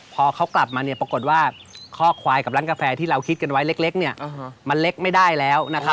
พอเขากลับมาเนี่ยปรากฏว่าข้อควายกับร้านกาแฟที่เราคิดกันไว้เล็กเนี่ยมันเล็กไม่ได้แล้วนะครับ